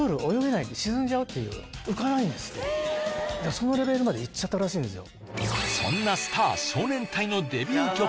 そのレベルまでいっちゃったらしいんですよ。